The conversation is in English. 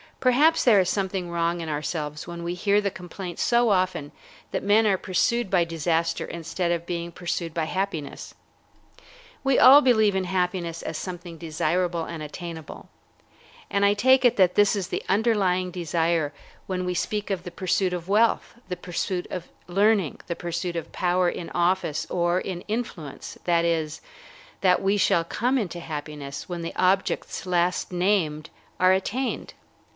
Perhaps there is something wrong in ourselves when we hear the complaint so often that men are pursued by disaster instead of being pursued by happiness. We all believe in happiness as something desirable and attainable, and I take it that this is the underlying desire when we speak of the pursuit of wealth, the pursuit of learning, the pursuit of power in office or in influence, that is, that we shall come into happiness when the objects last named are attained.